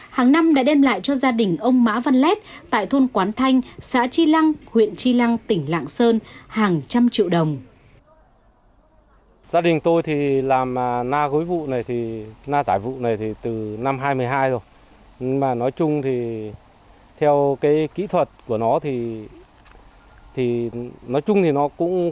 hàng năm đã đem lại cho gia đình ông má văn lét tại thôn quán thanh xã tri lăng huyện tri lăng tỉnh lạng sơn hàng trăm triệu đồng